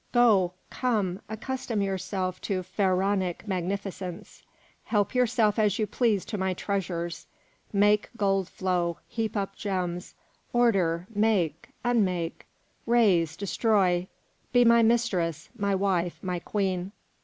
Go, come; accustom yourself to Pharaonic magnificence; help yourself as you please to my treasures; make gold flow, heap up gems; order, make, unmake, raise, destroy; be my mistress, my wife, my queen.